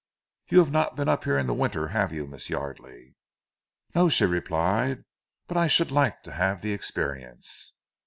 "You have not been up here in winter, have you, Miss Yardely?" "No," she replied, "but I should like to have the experience."